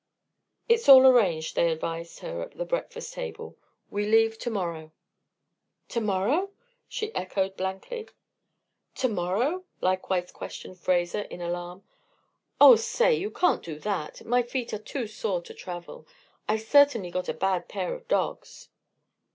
"It's all arranged," they advised her at the breakfast table. "We leave to morrow." "To morrow?" she echoed, blankly. "To morrow?" likewise questioned Fraser, in alarm. "Oh, say! You can't do that. My feet are too sore to travel. I've certainly got a bad pair of 'dogs.'"